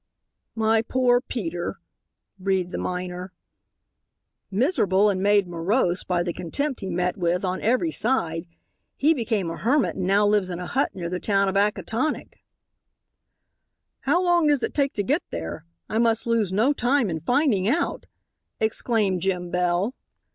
"My poor Peter," breathed the miner. "Miserable and made morose by the contempt he met with on every side he became a hermit and now lives in a hut near the town of Acatonick." "How long does it take to get there? I must lose no time in finding out," exclaimed Jim Bell.